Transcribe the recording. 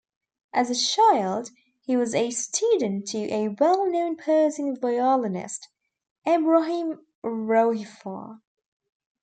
As a child, he was a student to a well-known Persian violinist, Ebrahim Rouhifar.